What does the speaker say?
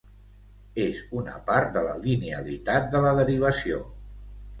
És una part de la linealitat de la derivació.